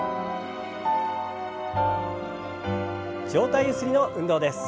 上体ゆすりの運動です。